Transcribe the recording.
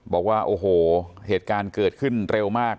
บอกว่าโอ้โหเหตุการณ์เกิดขึ้นเร็วมาก